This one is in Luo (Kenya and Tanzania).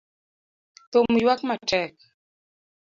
Thum yuak matek